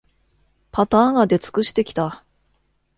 パターンが出尽くしてきた